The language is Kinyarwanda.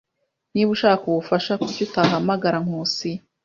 Niba ushaka ubufasha, kuki utahamagara Nkusi?